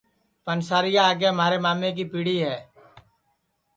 پنسارِیا آگے مھارے مامے کی پِڑی ہے